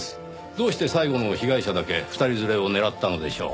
どうして最後の被害者だけ２人連れを狙ったのでしょう？